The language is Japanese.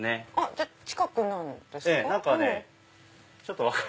じゃあ近くなんですか？